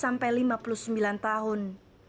empat belas sampai lima puluh sembilan tahun